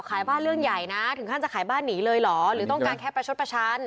ขายบ้านเรื่องใหญ่นะถึงขั้นจะขายบ้านหนีเลยเหรอหรือต้องการแค่ประชดประชัน